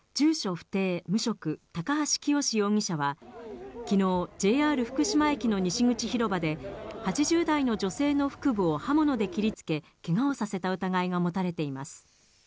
不定無職、高橋清容疑者は、きのう、ＪＲ福島駅の西口広場で、８０代の女性の腹部を刃物で切り付け、けがをさせた疑いが持たれています。